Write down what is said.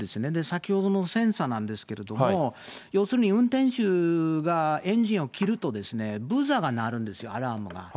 先ほどのセンサーなんですけども、要するに運転手がエンジンを切ると、ブザーが鳴るんですよ、アラームが。